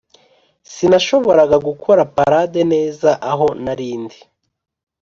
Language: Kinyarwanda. sinashoboraga kubona parade neza aho nari ndi.